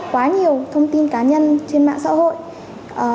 quá nhiều thông tin cá nhân trên mạng xã hội